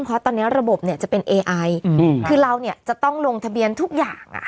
เพราะตอนนี้ระบบเนี่ยจะเป็นเอไอคือเราเนี่ยจะต้องลงทะเบียนทุกอย่าง